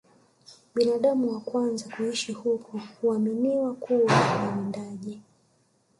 Binadamu wa kwanza kuishi huko huaminiwa kuwa wawindaji